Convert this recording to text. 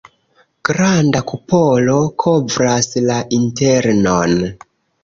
Granda kupolo kovras la internon.